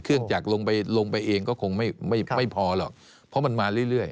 จากลงไปลงไปเองก็คงไม่พอหรอกเพราะมันมาเรื่อย